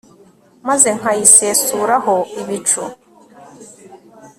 maze nkayisesuraho ibicu